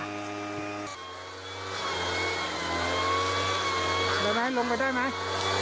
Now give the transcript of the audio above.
เร็วไหมลงไปได้ไหม